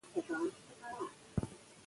د تعلیم بهیر د هېواد د پرمختګ لپاره وده ورکوي.